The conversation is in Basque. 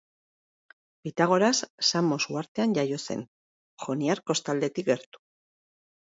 Pitagoras Samos uhartean jaio zen, joniar kostaldetik gertu.